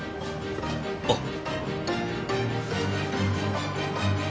あっ。